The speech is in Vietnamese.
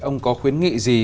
ông có khuyến nghị gì